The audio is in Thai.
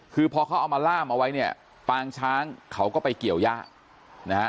คือพอเขาเอามาล่ามเอาไว้เนี่ยปางช้างเขาก็ไปเกี่ยวย่านะฮะ